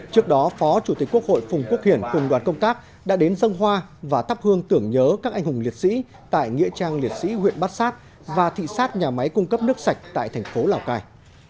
trước đó phó chủ tịch quốc hội phùng quốc hiển cùng đoàn công tác đã đến dâng hoa và thắp hương tưởng nhớ các anh hùng liệt sĩ tại nghĩa trang liệt sĩ huyện bát sát và thị xát nhà máy cung cấp nước sạch tại thành phố lào cai